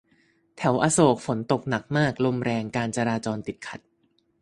แถวอโศก ฝนตกหนักมาก ลมแรง การจราจรติดขัด